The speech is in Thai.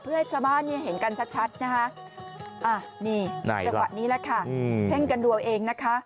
เพื่อให้ชาวบ้านเนี่ยเห็นกันชัดนะฮะอ่ะนี่นี่ละค่ะเพิ่งกันดัวเองนะคะ